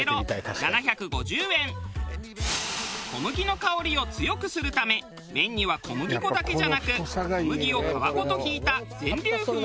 小麦の香りを強くするため麺には小麦粉だけじゃなく小麦を皮ごとひいた全粒粉をブレンド。